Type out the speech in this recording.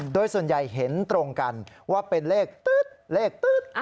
โดยส่วนใหญ่เห็นตรงกันว่าเป็นเลขตื๊ดเลขตื๊ด